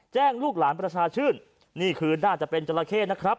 ลูกหลานประชาชื่นนี่คือน่าจะเป็นจราเข้นะครับ